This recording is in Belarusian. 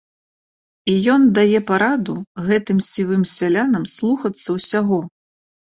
І ён дае параду гэтым сівым сялянам слухацца ўсяго.